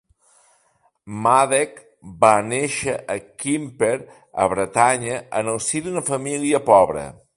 Madec va néixer a Quimper, a Bretanya, en el si d'una família pobra.